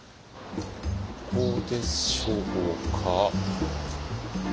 ここでしょうか。